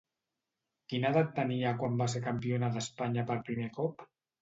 Quina edat tenia quan va ser campiona d'Espanya per primer cop?